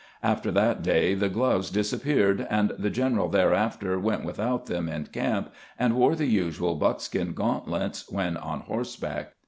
After that day the gloves disappeared, and the general thereafter went without them in camp, and wore the usual buckskin gauntlets when on horseback.